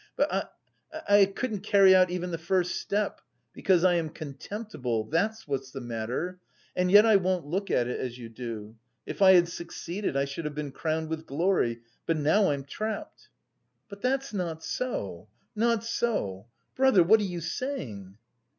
But I... I couldn't carry out even the first step, because I am contemptible, that's what's the matter! And yet I won't look at it as you do. If I had succeeded I should have been crowned with glory, but now I'm trapped." "But that's not so, not so! Brother, what are you saying?"